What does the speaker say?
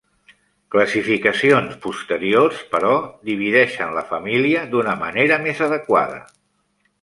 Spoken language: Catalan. Classificacions posteriors, però, divideixen la família d'una manera més adequada.